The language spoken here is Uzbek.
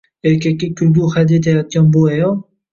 Erkakka kulgu hadya etayotgan bu ayol.